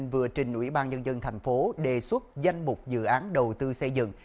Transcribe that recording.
vừa trình ủy ban nhân dân thành phố đề xuất danh mục dự án đầu tư xây dựng